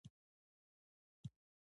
لاسونه پاک ساتل د ناروغیو مخه نیسي.